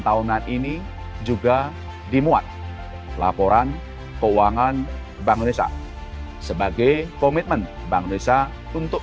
tahunan ini juga dimuat laporan keuangan bank desa sebagai komitmen bank indonesia untuk